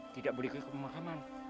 tidak boleh ikut ke pemakaman